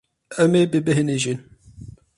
Em ê bibêhnijin.